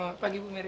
selamat pagi bu mary